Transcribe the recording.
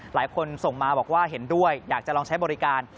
หลายคนส่งมาบอกว่าเห็นด้วยอยากจะลองใช้บริการ